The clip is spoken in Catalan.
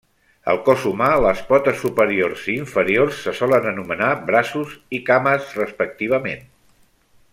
Al cos humà, les potes superiors i inferiors se solen anomenar braços i cames, respectivament.